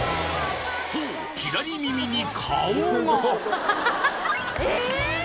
そう左耳に顔が！